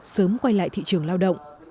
sớm quay lại thị trường lao động